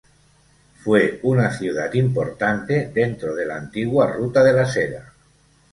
Fue una ciudad importante dentro de la antigua Ruta de la Seda.